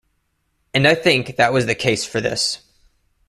And I think that was the case for this.